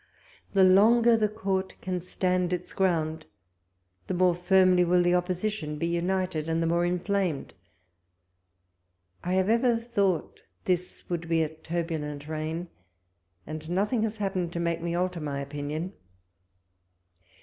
The longer the Coui't can stand its groimd, the more firmly will the opposition be united, and the more inflamed. I have ever thought this would be a turbulent reign, and nothing has haiii)cned to make me alter my opinion.